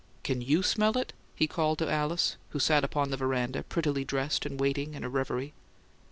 "Can YOU smell it?" he called to Alice, who sat upon the veranda, prettily dressed and waiting in a reverie.